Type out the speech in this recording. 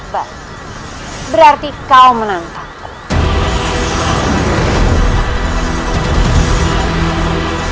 baik berarti kau menangkaku